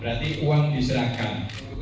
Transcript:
berarti uang diserahkan